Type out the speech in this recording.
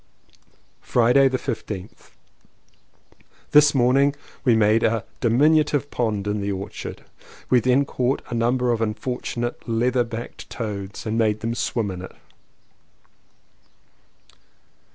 Friday the 15th. This morning we made a diminutive pond in the orchard. We then caught a number of unfortunate leather backed toads and made them swim in it.